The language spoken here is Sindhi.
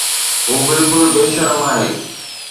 هو بلڪل بي شرم آهي